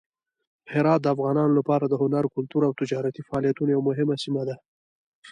هرات د افغانانو لپاره د هنر، کلتور او تجارتي فعالیتونو یوه مهمه سیمه ده.